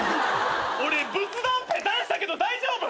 俺仏壇ぺたんしたけど大丈夫？